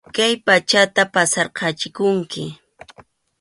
Kay pachata pasarqachikunki.